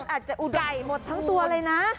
อาจจะอุดัยหมดทั้งตัวเลยนะ